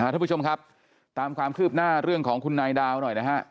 ทุกผู้ชมครับตามความคืบหน้าเรื่องของคุณนายดาวหน่อยนะฮะ